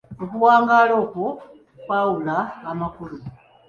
Okuwangaala okwo kwawula amakulu.